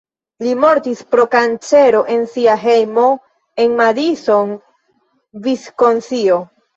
Li mortis pro kancero en sia hejmo en Madison (Viskonsino).